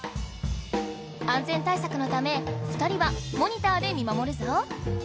安全対策のため２人はモニターで見守るぞ。